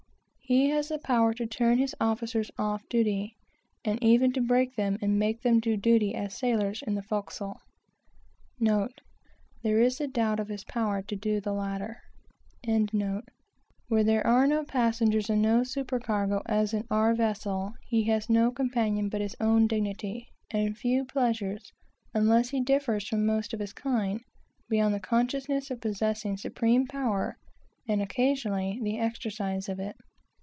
He has the power to turn his officers off duty, and even to break them and make them do duty as sailors in the forecastle. When there are no passengers and no supercargo, as in our vessel, he has no companion but his own dignity, and no pleasures, unless he differs from most of his kind, but the consciousness of possessing supreme power, and, occasionally, the exercise of it.